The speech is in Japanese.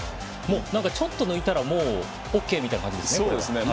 ちょっと抜いたらＯＫみたいな感じですね。